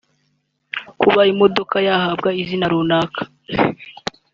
Kuba imodoka yahabwa izina runaka